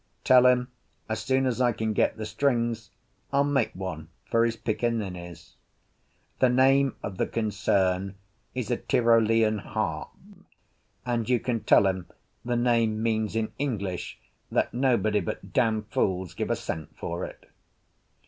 Tell him, as soon as I can get the strings I'll make one for his picaninnies. The name of the concern is a Tyrolean harp; and you can tell him the name means in English that nobody but dam fools give a cent for it."